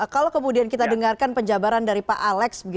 kalau kemudian kita dengarkan penjabaran dari pak alex